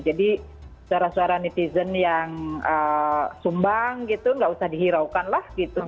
jadi suara suara netizen yang sumbang gitu nggak usah dihiraukan lah gitu